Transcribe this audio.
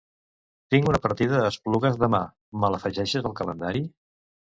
Tinc una partida a Esplugues demà, me l'afegeixes al calendari?